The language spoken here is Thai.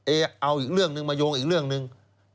เอาอีกเรื่องหนึ่งมาโยงอีกเรื่องหนึ่ง